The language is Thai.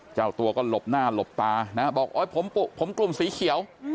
เจ้าตัวก็หลบหน้าหลบตานะบอกโอ๊ยผมกลุ่มสีเขียว